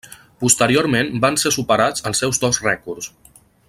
Posteriorment van ser superats els seus dos rècords.